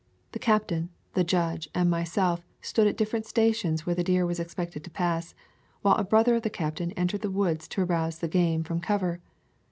The captain, the judge, and myself stood at different stations where the deer was expected to pass, while a brother of the captain entered the woods to arouse the game from cover.